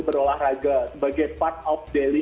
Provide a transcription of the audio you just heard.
berolahraga sebagai part of daily